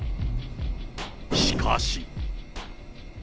しかし。